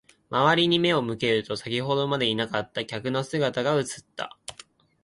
周りに目を向けると、先ほどまでいなかった客の姿が映った。